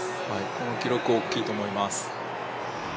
この記録、大きいと思います